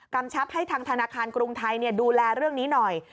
ชับให้ทางธนาคารกรุงไทยดูแลเรื่องนี้หน่อย